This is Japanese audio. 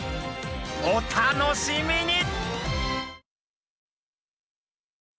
お楽しみに！